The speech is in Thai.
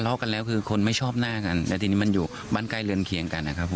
ทะเลาะกันแล้วคนไม่ชอบหน้ากันที่นี้ก็อยู่บ้านใกล้เรือนเคียงกันนะครับ